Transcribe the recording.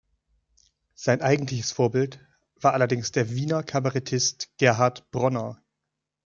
Sein eigentliches Vorbild war allerdings der Wiener Kabarettist Gerhard Bronner.